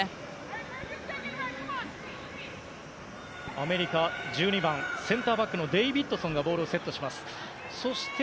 アメリカ、１２番センターバックのデイビッドソンがボールをセットします。